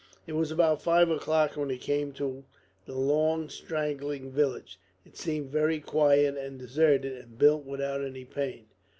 It was about five o'clock when he came to the long, straggling village. It seemed very quiet and deserted, and built without any plan.